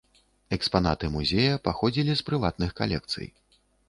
Экспанаты музея паходзілі з прыватных калекцый.